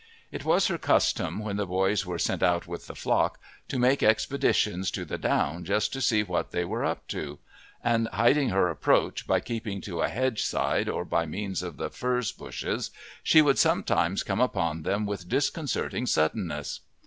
It was her custom, when the boys were sent out with the flock, to make expeditions to the down just to see what they were up to; and hiding her approach by keeping to a hedge side or by means of the furze bushes, she would sometimes come upon them with disconcerting suddenness.